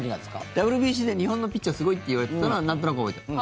ＷＢＣで日本のピッチャーすごいっていわれてたのはなんとなく覚えてる？